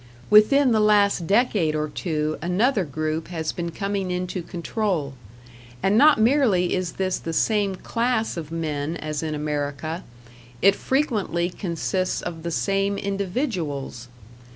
Within the last decade or two another group has been coming into control; and not merely is this the same class of men as in America, it frequently consists of the same individuals.